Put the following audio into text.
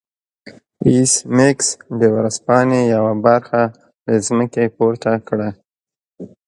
ایس میکس د ورځپاڼې یوه برخه له ځمکې پورته کړه